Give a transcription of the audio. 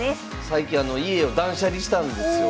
最近家を断捨離したんですよ。